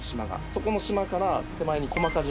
そこの島から手前にコマカ島。